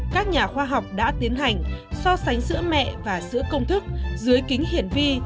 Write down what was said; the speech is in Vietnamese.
các nhà khoa học đã tiến hành so sánh giữa mẹ và sữa công thức dưới kính hiển vi